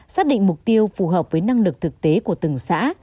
xác định mục tiêu phù hợp với năng lực thực tế của từng xã